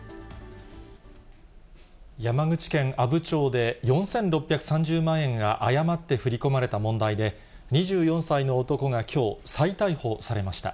山口県阿武町で４６３０万円が誤って振り込まれた問題で、２４歳の男がきょう、再逮捕されました。